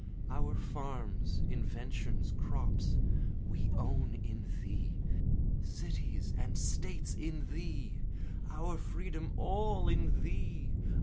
Our farms, inventions, crops, we own in thee! cities and States in thee! Our freedom all in thee!